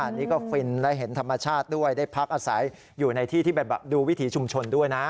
อันนี้ก็ฟินและเห็นธรรมชาติด้วยได้พักอาศัยอยู่ในที่ที่ดูวิถีชุมชนด้วยนะ